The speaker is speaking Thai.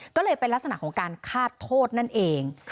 ก็เลยเป็นลักษณะของการฆาตโทษนั่นเอง